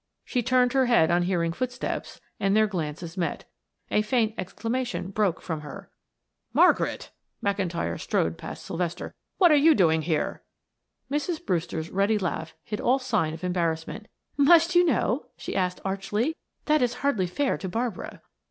She turned her head on hearing footsteps and their glances met. A faint exclamation broke from her. "Margaret!" McIntyre strode past Sylvester. "What are you doing here?" Mrs. Brewster's ready laugh hid all sign of embarrassment. "Must you know?" she asked archly. "That is hardly fair to Barbara."